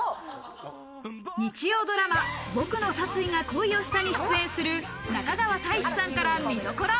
日曜ドラマ『ボクの殺意が恋をした』に出演する中川大志さんから見どころ！